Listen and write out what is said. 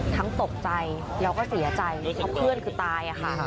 ตกใจแล้วก็เสียใจเพราะเพื่อนคือตายค่ะ